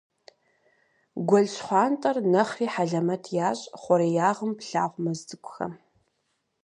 Гуэл ЩхъуантӀэр нэхъри хьэлэмэт ящӀ хъуреягъым плъагъу мэз цӀыкӀухэм.